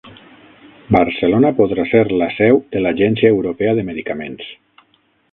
Barcelona podrà ser la seu de l'Agència Europea de Medicaments